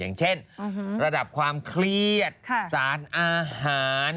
อย่างเช่นระดับความเครียดสารอาหาร